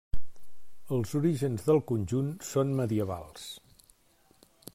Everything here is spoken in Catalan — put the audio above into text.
Els orígens del conjunt són medievals.